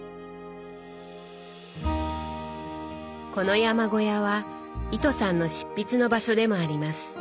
この山小屋は糸さんの執筆の場所でもあります。